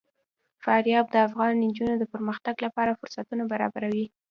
فاریاب د افغان نجونو د پرمختګ لپاره فرصتونه برابروي.